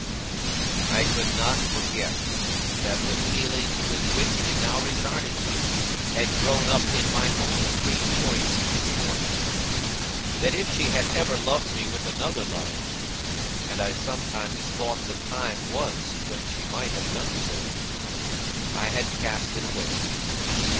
I could not forget that the feeling with which she now regarded me had grown up in my own free choice and course. That if she had ever loved me with another love and I sometimes thought the time was when she might have done so I had cast it away.